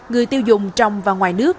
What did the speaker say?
người tiêu dùng trong và ngoài nước